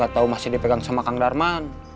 gak tau masih dipegang sama kang darman